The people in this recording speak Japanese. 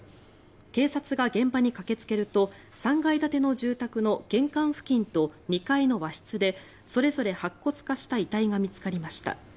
警察が現場に駆けつけると３階建ての住宅の玄関付近と２階の和室でそれぞれ白骨化した遺体が見つかりました。